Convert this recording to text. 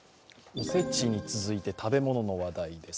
お節に続いて食べ物の話題です。